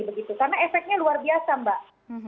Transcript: karena efeknya luar biasa mbak